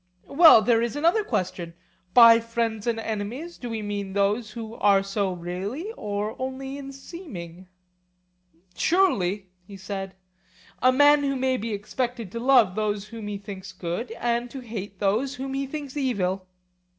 Well, there is another question: By friends and enemies do we mean those who are so really, or only in seeming? Surely, he said, a man may be expected to love those whom he thinks good, and to hate those whom he thinks evil.